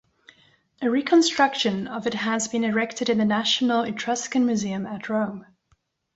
A reconstruction of it has been erected in the National Etruscan Museum at Rome.